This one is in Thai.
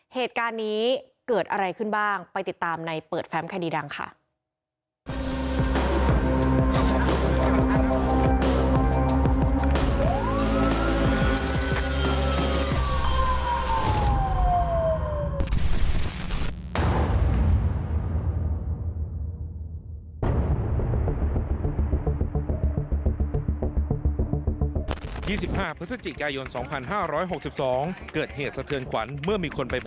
เหตุการณ์นี้เกิดอะไรขึ้นบ้างไปติดตามในเปิดแฟมคดีดังค่ะ